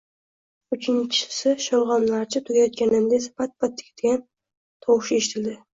Uchinchi sholg‘omni archib tugatayotganimda, “pat-pat”lagan tovush eshitildi